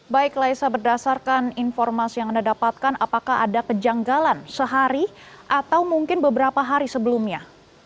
baik laisa berdasarkan informasi yang anda dapatkan apakah ada kejanggalan sehari atau mungkin beberapa hari sebelumnya